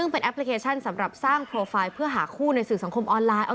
เป็นแอพพลิเคชันซัมประสามารถสร้างโพลไฟล์หาคู่ในสื่อสังคมออนไลน์